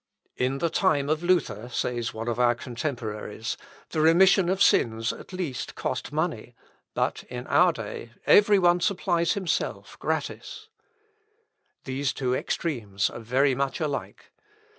"In the time of Luther," says one of our contemporaries, "the remission of sins at least cost money, but in our day every one supplies himself gratis." These two extremes are very much alike.